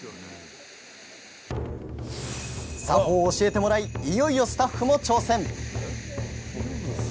作法を教えてもらいいよいよスタッフも挑戦。